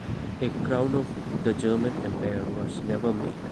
A Crown of the German Empire was never made.